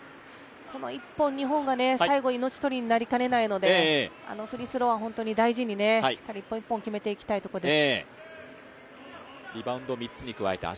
この１本、２本が最後命取りになりかねないので、フリースローは大事にしっかり１本１本決めていきたいところです。